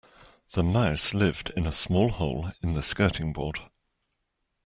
The mouse lived in a small hole in the skirting board